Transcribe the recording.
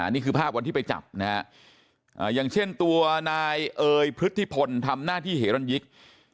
นี่คือภาพวันที่ไปจับนะฮะอย่างเช่นตัวนายเอ๋ยพฤติพลทำหน้าที่เหรันยิก